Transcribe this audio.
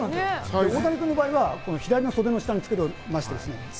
大谷君の場合は左の袖の下につけています。